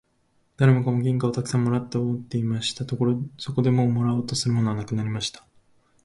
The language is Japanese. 誰もかも金貨をたくさん貰って持っていました。そこでもう貰おうとするものはなくなりました。